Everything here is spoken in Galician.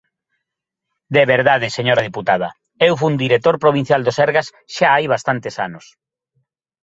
De verdade, señora deputada, eu fun director provincial do Sergas xa hai bastantes anos.